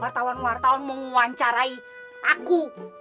wartawan wartawan mewawancarai aku